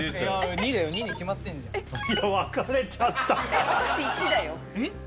２だよ２に決まってんじゃん分かれちゃった私１だよえっ？